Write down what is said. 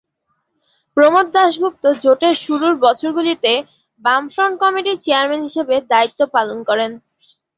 প্রমোদ দাশগুপ্ত জোটের শুরুর বছরগুলিতে বামফ্রন্ট কমিটির চেয়ারম্যান হিসাবে দায়িত্ব পালন করেন।